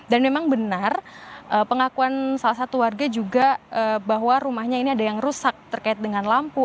dan memang benar pengakuan salah satu warga juga bahwa rumahnya ini ada yang rusak terkait dengan lampu